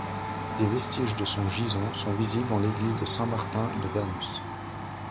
Des vestiges de son gisant sont visibles en l'église Saint-Martin de Vernusse.